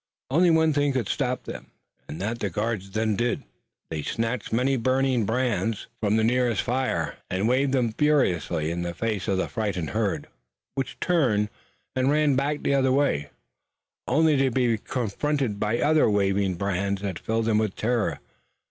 Only one thing could stop them and that the guards then did. They snatched many burning brands from the nearest fire and waved them furiously in the face of the frightened herd, which turned and ran back the other way, only to be confronted by other waving brands that filled them with terror.